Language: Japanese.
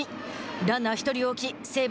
ランナー１人を置き西武